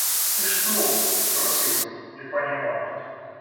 – Ты что? – спросил он, не понимая.